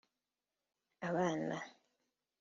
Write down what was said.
abana